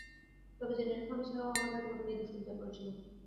তবে জেনে রেখো, আমি ছাড়াও আমার ভাই তোমাকে নিয়ে দুঃশ্চিন্তায় পরেছিল।